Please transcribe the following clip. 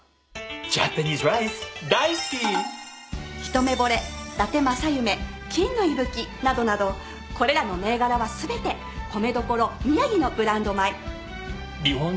ひとめぼれだて正夢金のいぶきなどなどこれらの銘柄は全て米どころ宮城のブランド米。